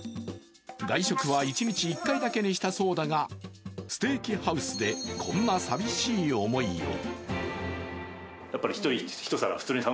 外食は一日１回だけにしたそうだがステーキハウスでこんな寂しい思いを。